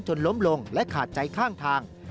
ล้มลงและขาดใจข้างทาง